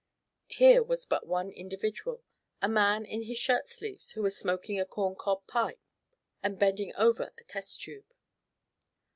Here was but one individual, a man in his shirt sleeves who was smoking a corncob pipe and bending over a test tube.